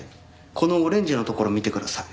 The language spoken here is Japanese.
このオレンジのところ見てください。